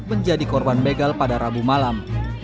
menjadi korban begal pada rabu malam